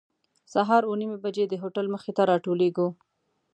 سهار اوه نیمې بجې د هوټل مخې ته راټولېږو.